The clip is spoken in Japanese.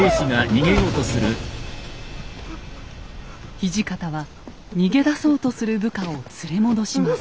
土方は逃げ出そうとする部下を連れ戻します。